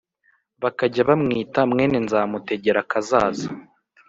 bakajya bamwita mwene Nyamutegerakazaza"